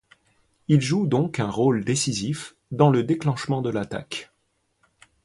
Il joue donc un rôle décisif dans le déclenchement de l'attaque.